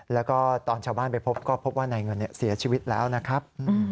แล้วก็ตอนชาวบ้านไปพบก็พบว่านายเงินเสียชีวิตแล้วนะครับ